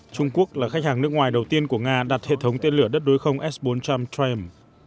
trung quốc là khách hàng nước ngoài đầu tiên của nga đặt hệ thống tên lửa đất đối không s bốn trăm linh tram